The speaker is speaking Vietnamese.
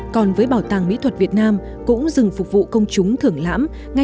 còn với bảo tàng mỹ thuật việt nam cũng dừng phục vụ công chúng thưởng lãm